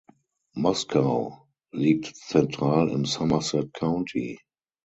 Moscow liegt zentral im Somerset County.